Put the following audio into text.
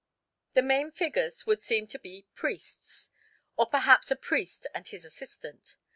The main figures would seem to be priests, or perhaps a priest and his assistant.